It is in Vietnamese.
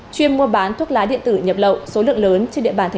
chuyên mua bán thuốc lá điện tử nhập lậu số lượng lớn trên địa bàn